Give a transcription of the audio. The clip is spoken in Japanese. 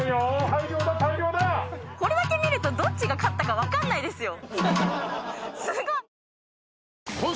これだけ見るとどっちが勝ったか分かんないですよ。